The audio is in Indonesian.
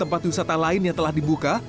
tempat wisata lain yang telah dibuka